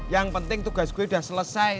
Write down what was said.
yang penting tugas gue sudah selesai